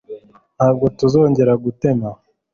Ntabwo tuzongera gutema